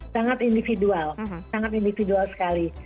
sangat individual sangat individual sekali